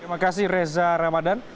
terima kasih reza ramadan